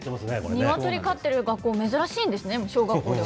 ニワトリ飼ってる学校珍しいんですね、もう小学校では。